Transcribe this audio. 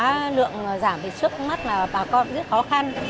lực lượng giảm về trước mắt là bà con rất khó khăn